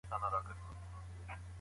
د مور ملاتړ د ماشوم احساسات قوي کوي.